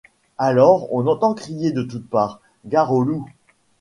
Alors on entend crier de toutes parts : gare aux loups !